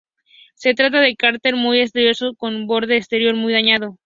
Se trata de un cráter muy erosionado, con un borde exterior muy dañado.